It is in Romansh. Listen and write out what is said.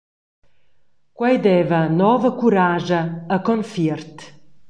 Quei deva nova curascha e confiert.